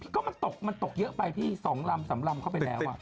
ก็มันตกมันตกเยอะไปพี่๒ลำ๓ลำเข้าไปแล้ว